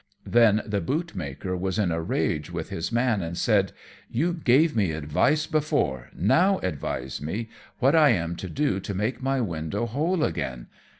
Then the bootmaker was in a rage with his man, and said, "You gave me advice before; now advise me what I am to do to make my window whole again.